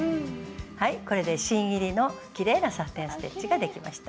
はいこれで芯入りのきれいなサテンステッチができました。